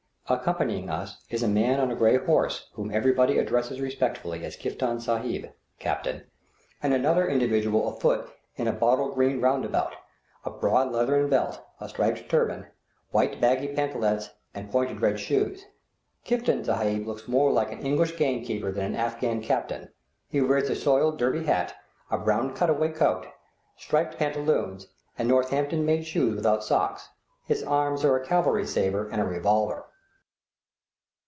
Accompanying us is a man on a gray horse whom everybody addresses respectfully as "Kiftan Sahib" (Captain), and another individual afoot in a bottle green roundabout, a broad leathern belt, a striped turban, white baggy pantalettes, and pointed red shoes. Kiftan Sahib looks more like an English game keeper than an Afghan captain; he wears a soiled Derby hat, a brown cut away coat, striped pantaloons, and Northampton made shoes without socks; his arms are a cavalry sabre and a revolver.